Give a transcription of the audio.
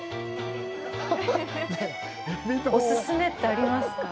お勧めってありますか？